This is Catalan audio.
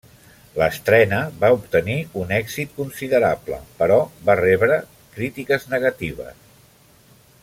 L'estrena va obtenir un èxit considerable, però va rebre crítiques negatives.